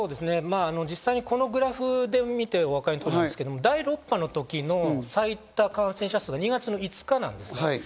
実際このグラフを見て、お分かりだと思いますけど第６波の時の最多感染者数、２月の５日なんです。